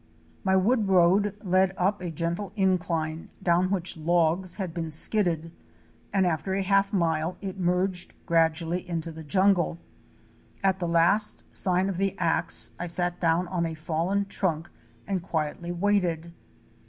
My wood road led up a gentle incline down which logs had been skidded, and after a half mile it merged gradually into the jungle. At the last sign of the axe I sat down on a fallen trunk and quietly waited.